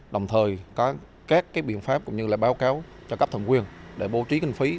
đồng thời có các biện pháp cũng như là báo cáo cho cấp thần quyền để bố trí kinh phí